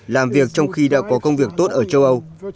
làm việc trong khi đã có công việc tốt ở châu âu